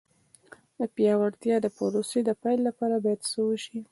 د پیاوړتیا د پروسې د پیل لپاره باید څه وشي.